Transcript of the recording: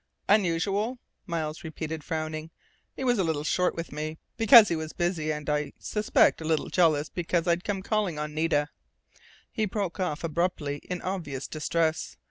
"Unusual?" Miles repeated, frowning. "He was a little short with me because he was busy, and, I suspect, a little jealous because I'd come calling on Nita " He broke off abruptly, in obvious distress.